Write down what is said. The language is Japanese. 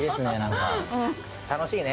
楽しいね。